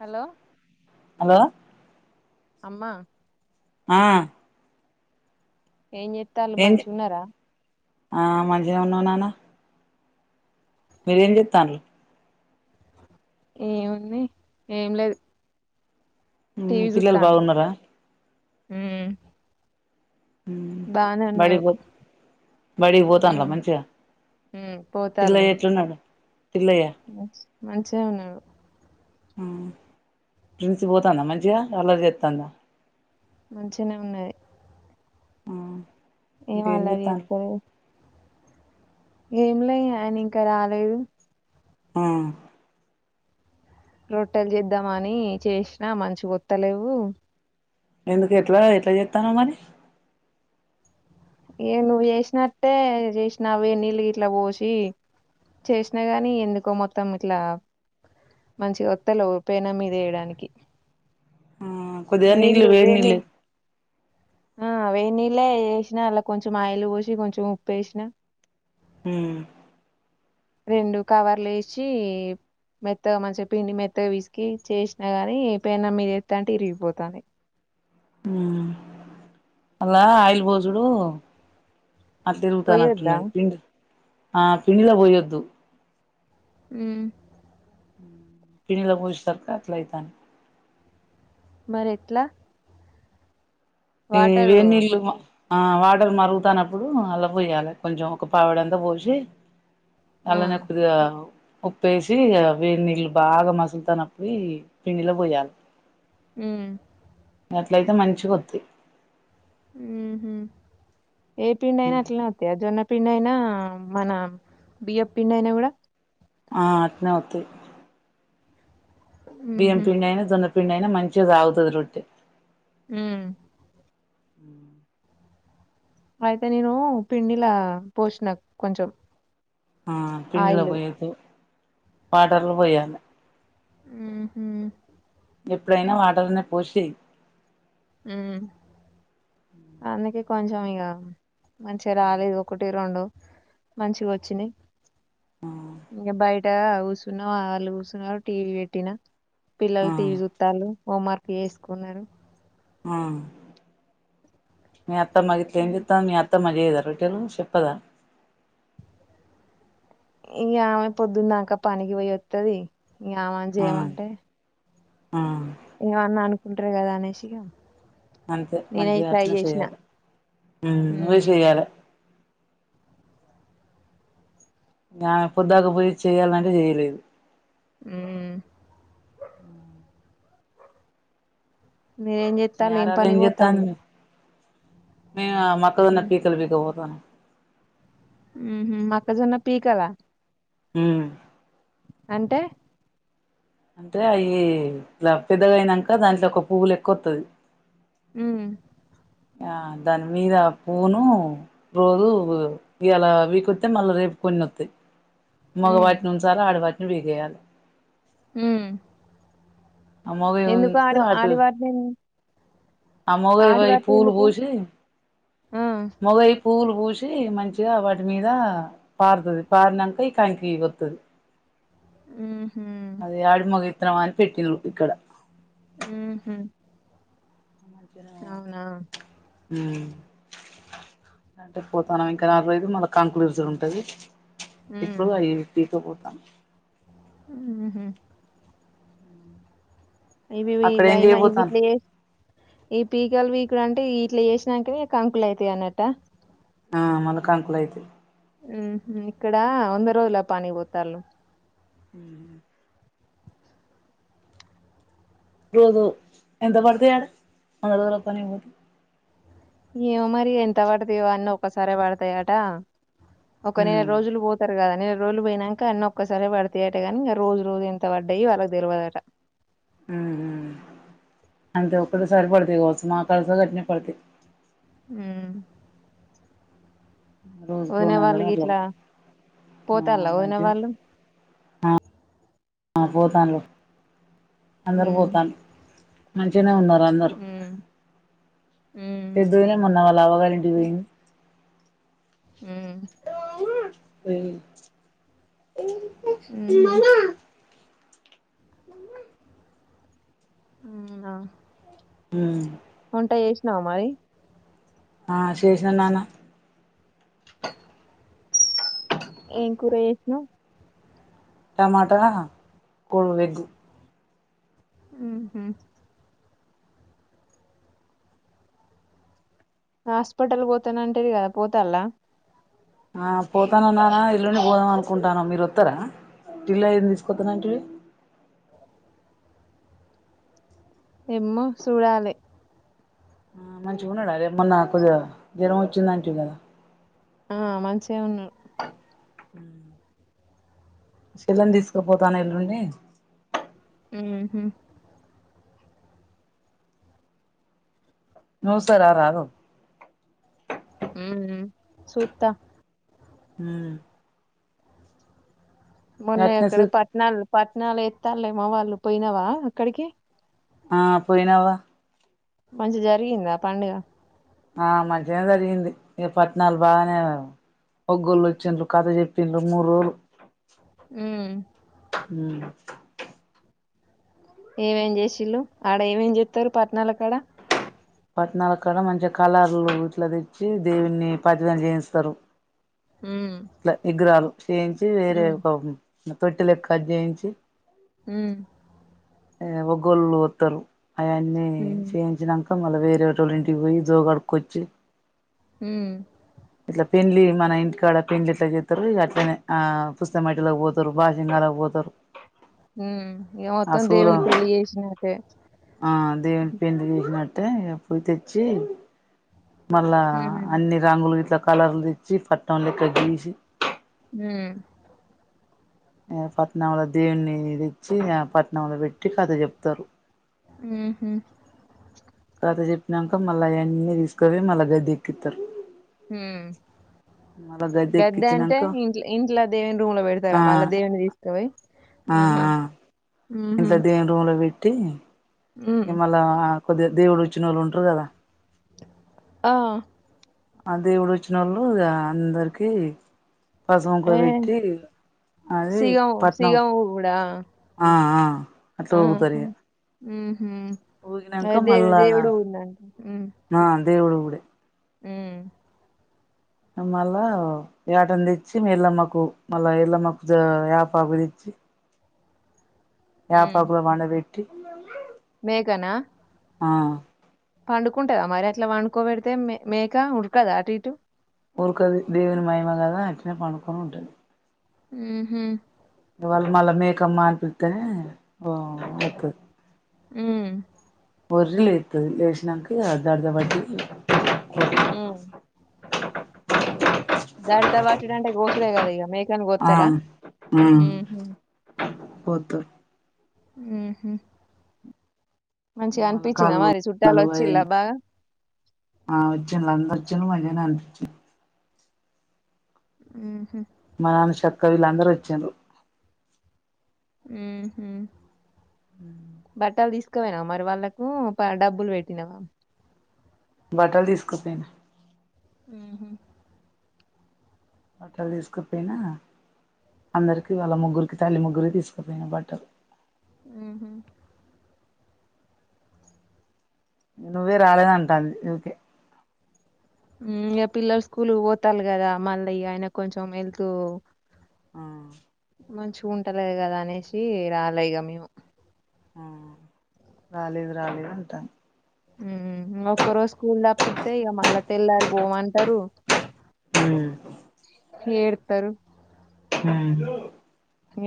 Hello hello అమ్మా ఆ ఏం చేతాళ్ళు ఏం మంచిగున్నారా ఆ మంచిగనె ఉన్నాం నాన్న మీరేం చేతాళ్ళు ఏముంది ఏం లేదు మ్మ్ టీవీ పిల్లలు చూత్తాను బాగున్నరా మ్మ్ మ్మ్ బానే బడి ఉన్నారు పో బడికి పోతాన్రా మ్మ్ మంచిగా మ్మ్ పోతాళ్ళు పిల్లయ్య ఎట్లున్నాడు పిల్లయ్య మంచిగె ఉన్నాను ఆ ప్రిన్సి పోతాందా మంచిగా అల్లర్ జెత్తాందా మంచిగనే ఉన్నది ఆ ఏమ్ ఇంకేం అల్లరి చెత్తాన్లు జెతలేదు ఏం లే అయనింకా రాలేదు ఆ రొట్టెల్ చేద్దామని చేసినా మంచిగొత్తలేవు ఎందుకు ఎట్లా ఎట్లా చెత్తానావ్ మరి ఏ నువ్వు చేసినట్టే చేసిన అవే నీళ్ళు గిట్లా పోసి చేసినా గాని ఎందుకో మొత్తం ఇట్లా మంచిగొత్తలేవ్ పెనం మీదెయడానికి ఆ కొద్దిగా నీళ్లు వేడి నీళ్లు ఆ వేడి నీళ్ళె ఏసినా అలా కొంచెం ఆయిల్ పోసి కొంచెం ఉప్పు ఏసిన ఉమ్ రెండు కవర్లు ఏసి మెత్తగా మంచిగా పిండి మెత్తగ పిసికి చేసినా కానీ పెన్నం మీద ఎత్తంటే ఇరిగిపోతాన్నాయ్ మఉమ్ అలా ఆయిల్ బోసుడు అద్ పొయ్యొద్దా ఇరుగుతానట్టున్నది పిం ఆ పిండిలో పోయొద్దు ఉమ్ పిండిలొ పోసెసరిక అట్లైతాన్ది మరి ఎట్లా ఏ వాటరు వేడినీళ్లు మ ఆ వాటర్ మరుగుతానప్పుడు అలా పోయ్యాలె కొంచెం ఒక పావిడంతా పోసి ఆ అలనే కొద్దిగా ఉప్పేసి వేడి నీళ్లు బాగా మసులుతనప్పుడు పిండిలో పోయాలి ఉమ్ అట్లయితే మంచిగొత్తయ్ ఉమ్ హ్మ్మ్ ఏ పిడిడైనా అట్లనే వత్తయ జొన్న పిం అయినా మన బియ్య పిండైయినా కూడా ఆ అట్నేవత్తయ్ బియ్యాం ఉహు పిండైనా జొన్న పిండైనా మంచిగా సాగుతాది రొట్టె హ్మ్మ్ అ అయితే నేను పిండిలా పోసిన కొంచెం ఆ పిండిలో ఆయిల్ పోయదు వాటర్లో పోయ్యాలే ఉమ్ హ్మ్మ్ ఎప్పుడైనా వాటర్లోనే పోసై ఉమ్ అందుకే కొంచం ఇంగా మంచిగా రాలేదు ఒకటి రెండు మంచిగా వచ్చింది ఇంకా బయట కూర్చున్నామ్ వాళ్ళు కూర్చున్నా టీవీ పెట్టినా ఆ పిల్లలు టీవీ చుత్తలు హోమ్వర్క్ వేసుకున్నారు ఆ మీ అత్త మగత్లి ఏం చెత్తంది మీ అత్తమ్మ చెయ్యదా రొట్టి తను చెప్పదా ఇంగా ఆమె పొద్దున్నాక పనికి పోయి వస్తుది ఇంకాఆమెని ఆ చేయమంటే ఆ ఇంక అన్నా అనుకుంటారు కదా అనేసి అంతే నేనే అంతే ట్రై అట్నే చేసిన చేయాలా హుమ్ నువ్వే ఉమ్ చేయాలా గామే పొద్దాక పోయి చేయాలంటే చెయలేదు హుమ్ మీరేం మీ చెత్తల ఏం ఆరాలు పని పోతర్రు మీ మక్కదన్న పీకల్ బకపోతుంది బా హుమ్ హు మొక్కజన్న పీకలా హుమ్ అంటే అంటే అవి ఇ పెద్దగా అయినాక దాంట్లో ఒక పువ్వులు ఎక్కువ వతుది మ్ ఆ దాని మీద పూను రోజు ఇలా వీకొస్తతే మళ్ళా రేపు కొన్ని వతాయ్ ఉమ్ మగవాటి నుసార ఆడవాటి విదియాలి మ్ ఆ మొగయి ఎందుకు ఉంచితే ఆడ అటు ఆడివాటిని ఆ మొగై పోయి ఫూల్ పూసి ఆ! మగై ఫూల్ పూసి వచి మంచిగా వాటి మీద పారుతది పారినక ఈ కంకి వస్తుంది మ్ అదే ఆడు మగ [inaudible] పెకినం ఇక్కడ ఉహు మంచిగా నే ఊ అంటే పోతా ఉన్నాం ఇంకా నాలుగు రోజలుకు మళ్ళా కంకులు ఇరచడం ఉంటయి ఇప్పుడు ఇగ తికపోతే ఆ హ్మ్ హు ఇవి వి అక్కడ ఏం వయినా ఇవి చేయబోతాను ఇట్లే ఈ పీకలు పీకులు అంటే ఈ ఇట్లా చేసినాంకనే కంకులు అయితాయి అన్నట్ట ఆ మళ్ళా కంకులు అయితాయి హ్మ్ హు ఇక్కడ వంద రోజుల పనికి పోతాళ్ళు హ్మ్ హు రోజు ఎంత పడతాయి ఆడ వంద రోజుల పనికి పోతే ఏమో మరి ఎంత పడతయో అన్నీ ఒక్క సారే పడతయట ఒక నేల ఉమ్ రోజులు పోతారు కదా నే రోజులు పోయినాంకా అన్నీ ఒక్కసారే పడితయట కానీ ఇక రోజు రోజు ఎంత పడ్డాయి వాళ్ళకి తెల్వదు అట హ్మ్ హు అంతే ఒకటేసారి పడతాయి వర్సన నాలుగు అయిదు పడతాయి మ్మ్ రోజుకు వదిన రెండు వాళ్ళు వందలు అట్లా గిట్ల ఆ పోతాళ్ళ వదిన మంచిగ వాళ్ళు ఆ పోతాండ్లు అందరు హ్మ్. పోతాండ్రు మంచిగానే ఉన్నారు అందరూ హ్మ్. హ్మ్. మన్న వాళ్ళ అవ్వ గారి ఇంటికి పోయింది హుమ్ పోయింది హ్మ్ హు అవున హుమ్ వంట చేసినవా మరి ఆ చేశ్న నాన్న ఏం కూర చేశినావ్ టమాట కోలు వెజ్జి హు హుమ్ హాస్పిటల్ పోతాన అంటది కదా పోతాలా ఆ పోతానన్నానా ఎల్లుండి పోదామనుకుంటన మీరు వస్తరా పిల్లల్ని తీసుకొత్త అంటివి ఎమో సూడాలి ఆ మంచిగా ఉండడా అదే మొన్నా కొదిగా జ్వరం వచ్చిందంటివి కదా ఆ మంచిగే ఉన్నాడు సెల్లెను తీసుకపోతన్న ఎల్లుండి హుమ్ హు నువ్ ఒకసారి రారదు హు హు సూత్త హుమ్ మొన్నయి అట్నే అక్కడ సూ పట్నాలు పట్ నాలా ఎత్తలేేమో వాళ్ళు పోయినావా అక్కడికి ఆ పోయినావా మంచి జరిగిందా పండుగ ఆ మంచిగానే జరిగింది ఇక పట్టణాలు బాగానే ఒగ్గొళ్ళు వచ్చిండ్రు కథ చెప్పిండ్రు మూడు రోజులు ఉమ్ మ్మ్ ఏమేం చేసిళ్ళు ఆడ ఏమేం చెప్తారు పట్టణాల కాడ పట్టనాాల కాడ మంచిగా కలర్లు ఇట్లా తెచ్చి దేవుని పజ్రం చేయించుతారు ఉమ్ ఇట్లా ఇగ్రహాలు చేయించి వేరె ఉమ్ కోపం ఆ పెట్టలక్క చేయించి మ్మ్ ఎ వోగోల్ వత్తరు ఆయన్ని ఉమ్ చేయించినాంక్ మళ్ళ వేరేటోళ్ళ ఇంటికి వోయ్ జో గడ్కొచ్చి ఉం పెండ్లి మన ఇంటికాడ పెళ్డ్లి ఎట్ల చెత్తారు ఇగ అట్లనే ఆ పుస్తమేటలకు పోతారు బాశింగాలకు పోతారు ఉమ్ ఇగ మొత్తం దేవుని పెళ్లి చేసినట్టే తే అప్పు తెచ్చి మళ్ళా ఉమ్ అన్ని రంగులు ద్ద కలర్లు తెచ్చి పట్నం లెక్క గీసి హుమ్ ఆ పట్నంలో దేవుని తెచ్చి ఆ పట్నంలో పెట్టి కథ చెప్తారు ఉ హుం కత చెప్పినాక మళ్ళా అయన్నీ తీసుకవోయ్ మళ్ళా గడ్డ ఎక్కిస్తారు హ మళ్ళా గద్దె అంటే ఎక్కించినాక ఇంట్ ఇంట్లో దేవుని రూమ్ లో పెడతారా ఆ మళ్ళా దేవుని తీసుకపోయి ఆ ఆహా ఆ ఊహూ ఇంట్లా దేను రూముంలో టీ హ్మ్ ఈమల్ల కొద్దిగ్ దేవుడు వచ్చిన వాళ్ళు ఉంటారు కదా ఆ ఆ దేవుడు వచ్చిన వాళ్ళు అందరికి పసవం కో ఏ వెట్ అది సిగం పట్నం సిగం కూడా ఆ ఆ ఆ అట్లా ఊగుతార్ ఇగ ఉమ్ హం అ ఊగినంక దేవు మళ్ళా దేవుడు ఉందంట ఆ దేవుడు ఉగుడే ఉమ్ మళ్ళా ఏటని తెచ్చి ఎల్లమ్మకు మళ్ళా ఎల్లమ్మకు ఆపాకు తెచ్చి పాప్ అక్కడ పండపెట్టిమండ వ [unintelligible] మేఘనా ఆ పండుకుంటదా మరి అట్లా వండుకోబెడితే మేక ఉడకదా అటు ఇటు ఊరుకది దేవుని మయమ కదా అట్నే పడుకొని ఉంటుంది ఉ హు ఇ వాళ్ళ మళ్ళా మేకమ్ అనిపిస్తతేనే వా ఒత్తది ఉమ్ ఒర్రీ లెత్తది లేచనంక అ జర్ధ వాటి హ్మ్ దడిత వాటిడా అంట గోస్ అప్పుడు గదే ఇకమేక్ జం ఆ గొతార ఉ బోత్త ఆహ మళ కాళు చుట్టాలు కాలు అ వచ్చిల్లా బాగా ఆ వచ్చి అందరు వచ్చి మళ్ళి నాల్ పిచ్ ఆహ మా నాన్న చక్కగ వీళ్ళందరూ వచ్చారు ఆ హమ్ బట్టల్ తీస్ ఎక్కువనా మరి వాళ్ళలకు డబ్బులు పెట్టినావా బట్టలు తీసుకుపోయినా ఆహా బట్టలు తీసుకుపోయినా అందరికి వాళ్ళ ముగ్గురికి తల్లి ముగ్గురి తీసుకుపోయినా బట్టలు ఆహ నువ్వే రాలేదంట అంది ఇకే ఇంక పిల్లలు స్కూల్ పోతారు కదా మళ్ళీ ఆయన కొంచెం వెళ్తూ ఆ మంచిగా ఉంటలేదు కదా అనేసి రాలేదుక మేము ఆ రాలేదు రాలేదు అంటాను ఉ ఒక్క రోజు స్కూల్ ద అప్పితే ఇక మళా తెల్లారు గోమంటారు ఉమ్ ఏడుత్తారు ఉమ్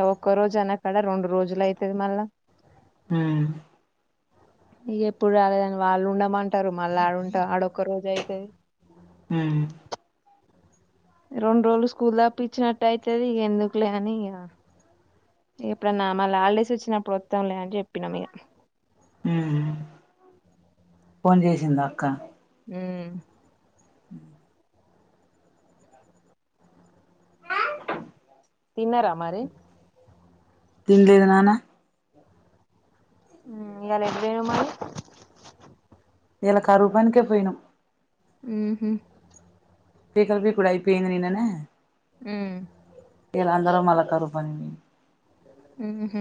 యవక్కరోజ్ అనక్ ఇక్కడ రెండు రోజులు అయితది మళ్ళా ఉమ్ ఇ ఎప్పుడు రాలేదని వాళ్ళు ఉండమంటారు మళ్ళీ ఆడుంట ఆడ ఒక్కరోజుయితది ఉమ్ రెండు రోజులు స్కూల్ తప్ప ఇచ్చినట్టు అయితది ఇక ఎందుకులే అని ఇక ఎప్పుడన్నా మళ హాలిడేస్ వచ్చినప్పుడు వత్తం లే అని చెప్ ప్పినమే ఇక ఉమ్ ఫోన్ చేేసింద అక్క ఆ తిన్నారమరి తింలేదు నాన్న ఇలా ఎటు పోనావు మరి ఇీలా కరువుపనికి పోయినం ఆహ ఇ కలిపి కూడాయిపోయింది నిన్ననే ఆ ఇలా అందలో మల్ కరవుపని మీ అహ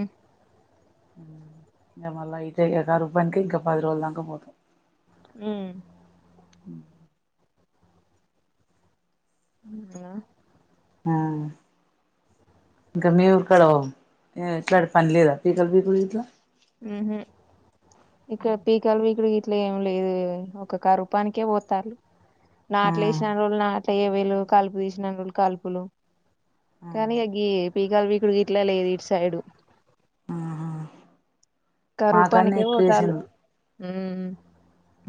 ఇగ మళ్ళా అయితే ఇక కరువు పనికి ఇంకా పది రోజుల దాంకా పోతాం హ్మ్ మ్మ్ మ్మ్ ఆ ఆ ఇంకా మీ ఊక్కడ ఓ ఇట్లా పని లేదా పీకల పీకులు ఇట్లా ఊహు ఇక్కడ పీకాలు [unintelligible] అట్లే ఏం లేదు వే ఒక క రూపానికే పోతారుా నా ఆ ప్లేస్ లో ఎవరున్నా ఇట్లా ఏ వేలు కాలుపు తీసినం కాలుపులు కానీ ఆ గి పీకలు వీకుడు గిట్ల లేదు ఇటు సైడు ఆహా కా మాకాడనే రూపానికే ఎక్కువ పోతాలు మ్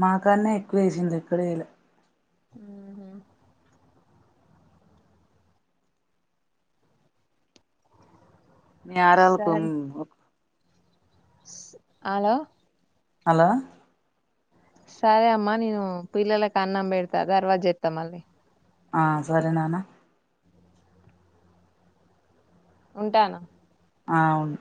మాకాన్న ఎక్కువ వేసింది ఇక్కడ ఏయ్లా ఊహు [unintelligible] అలో హలో సరే అమ్మ నేను పిల్లలకి అన్నంపెడతా తర్వాత జేత్త మల్లి ఆ సరే నానా ఉంటాను ఆ అవును